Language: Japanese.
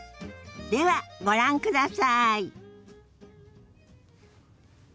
ではご覧ください。